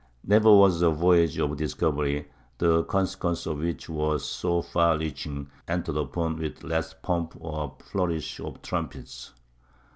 Never was a voyage of discovery, the consequences of which were so far reaching, entered upon with less pomp or flourish of trumpets.